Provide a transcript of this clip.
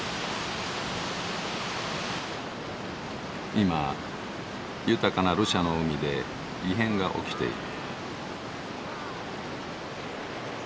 今豊かなルシャの海で異変が起きている。